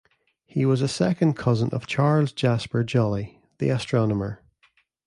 He was a second cousin of Charles Jasper Joly, the astronomer.